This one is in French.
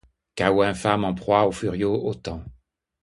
Chaos infâme en proie au furieux autan